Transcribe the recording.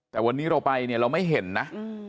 แต่วันนี้เราไปเนี่ยเราไม่เห็นนะ